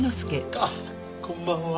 あっこんばんは。